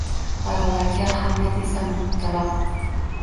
Balolarga Hamlet esa mubtalo?